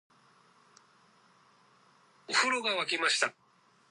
お風呂が湧きました